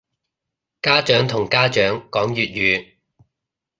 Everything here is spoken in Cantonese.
家長同家長講粵語